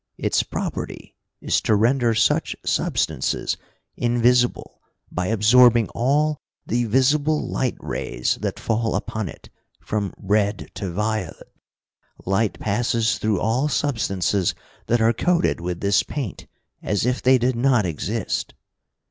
Its property is to render such substances invisible by absorbing all the visible light rays that fall upon it, from red to violet. Light passes through all substances that are coated with this paint as if they did not exist."